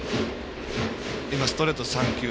今、ストレート３球。